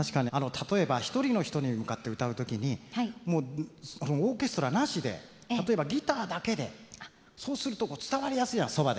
例えば１人の人に向かって歌う時にもうオーケストラなしで例えばギターだけでそうすると伝わりやすいそばで。